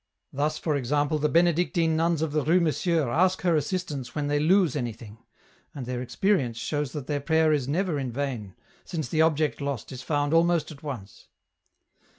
Thus, for example, the Benedictine nuns of the Rue Monsieur ask her assistance when they lose anything, and their experience shows that their prayer is never in vain, since the object lost is found almost at once.